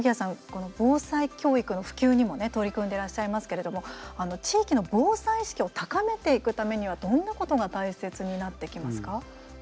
この防災教育の普及にも取り組んでいらっしゃいますけれども地域の防災意識を高めていくためにはどんなことが大切になってきますか？